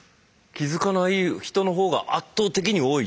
気付かない人のほうが圧倒的に多い？